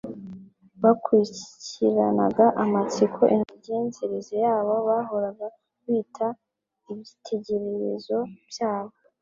bakurikiranaga amatsiko imigenzereze y'abo bahoraga bita ibyitegererezo byabo.